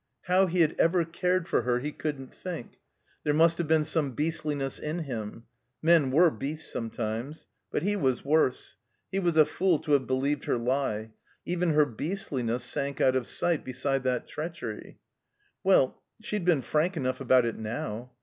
How he had ever cared for her he couldn't think. There must have been some beastliness in him. Men were beasts sometimes. But he was worse. He was a fool to have believed her lie. Even her beastliness sank out of sight beside that treachery. Well — she'd been frank enough about it now.